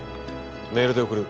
メールで送る。